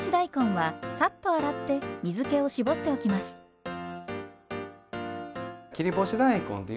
はい。